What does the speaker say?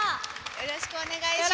よろしくお願いします。